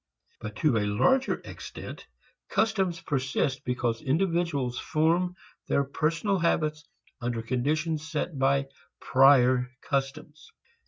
But to a larger extent customs persist because individuals form their personal habits under conditions set by prior customs.